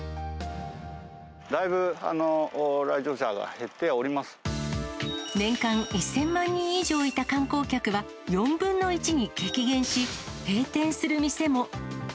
だいぶ、年間１０００万人以上いた観光客は４分の１に激減し、閉店する店も。